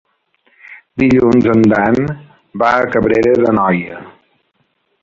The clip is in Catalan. Dilluns en Dan va a Cabrera d'Anoia.